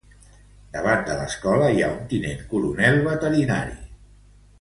Davant de l'escola, hi ha un tinent coronel veterinari.